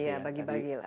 iya bagi bagi lah